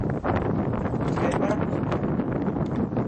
toben barak